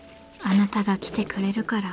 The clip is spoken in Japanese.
あなたが来てくれるから。